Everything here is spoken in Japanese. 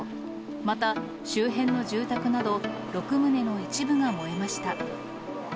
また、周辺の住宅など、６棟の一部が燃えました。